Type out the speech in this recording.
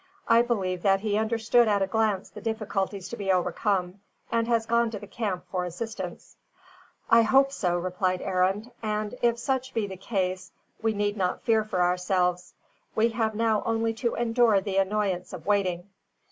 I believe that he understood at a glance the difficulties to be overcome, and has gone to the camp for assistance." "I hope so," replied Arend, "and, if such be the case, we need not fear for ourselves. We have now only to endure the annoyance of waiting.